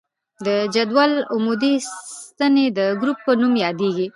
د جدول عمودي ستنې د ګروپ په نوم یادیږي.